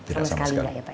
sama sekali nggak ya pak ya